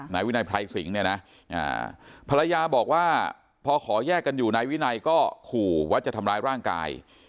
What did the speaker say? นายวินัยไพรสิงศ์เนี่ยนะภรรยาบอกว่าพอขอแยกกันอยู่นายวินัยก็ขู่ว่าจะทำร้ายร่างกาย